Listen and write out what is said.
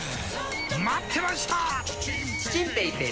待ってました！